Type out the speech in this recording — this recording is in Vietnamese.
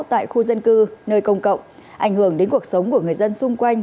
tại khu dân cư nơi công cộng ảnh hưởng đến cuộc sống của người dân xung quanh